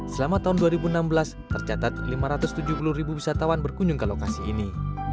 selama tahun dua ribu enam belas tercatat lima ratus tujuh puluh ribu wisatawan berkunjung ke lokasi ini